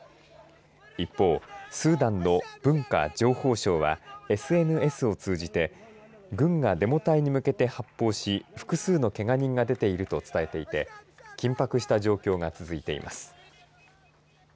一方、スーダンの文化・情報省はＳＮＳを通じて軍がデモ隊に向けて発砲し複数のけが人が出ていると伝えていて緊迫した状況が続いています。